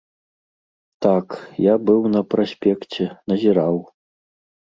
Так, я быў на праспекце, назіраў.